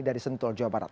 dari sentul jawa barat